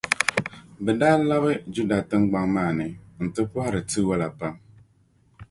bɛ daa labi Juda tiŋgbɔŋ maa ni nti pɔhiri tiwala pam.